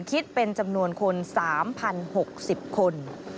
คิดเป็นจำนวนคน๓๐๖๐คน